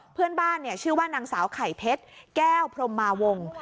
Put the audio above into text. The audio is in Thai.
เพื่อนบ้านชื่อว่านางสาวไข่เพชรแก้วพรมมาวง